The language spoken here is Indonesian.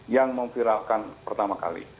yang memviralkan pertama kali